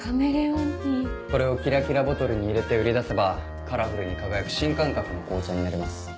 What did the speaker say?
これをキラキラボトルに入れて売り出せばカラフルに輝く新感覚の紅茶になります。